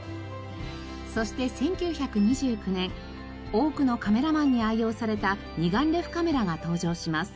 そして１９２９年多くのカメラマンに愛用された二眼レフカメラが登場します。